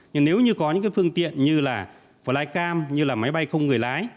nhưng nếu như có những cái phương tiện như là flycam như là máy bay không người lái